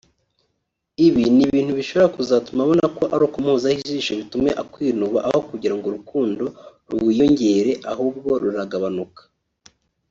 Ibi ni ibintu bishobora kuzatuma abona ko ari ukumuhozaho ijisho bitume akwinuba aho kugirango urukundo ruwiyongere ahubwo ruragabanuka